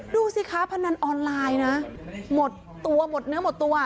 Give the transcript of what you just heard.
ดูสิคะพนันออนไลน์นะหมดตัวหมดเนื้อหมดตัว